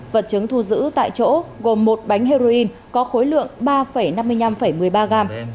vật chứng thu giữ tại chỗ gồm một bánh heroin có khối lượng ba năm mươi năm một mươi ba gram